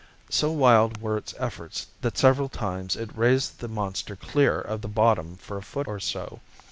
So wild were its efforts that several times it raised the monster clear of the bottom for a foot or so.